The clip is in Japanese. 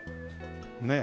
ねえ。